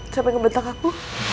sampai ngebetak aku